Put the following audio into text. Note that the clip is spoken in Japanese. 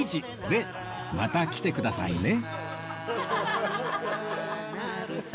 でまた来てくださいね